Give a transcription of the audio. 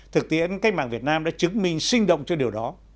thực tiễn cách mạng việt nam đã chứng minh sinh động cho điều đó